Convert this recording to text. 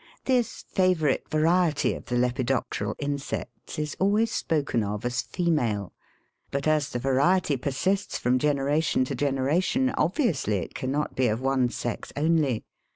This favourite variety of the lepidopteral insects is always spoken of as female. But as the variety persists from generation to generation obviously it cannot be of one sex only.